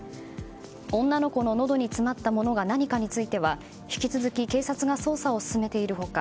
女の子ののどに詰まったものが何かについては引き続き警察が捜査を進めている他